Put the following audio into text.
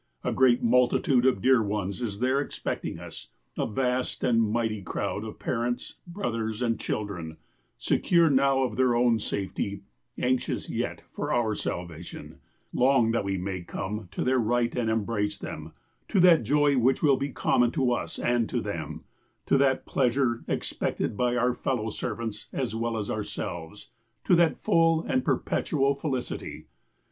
A great multi tude of dear ones is there expecting us; a vast and mighty crowd of parents, brothers, and chil 6 BEDE dren, secure now of their own safety, anxious yet for our salvation, long that we may come to their right and embrace them, to that joy which will be common to us and to them, to that pleasure expected by our fellow servants as well as our selves, to that full and perpetual felicity.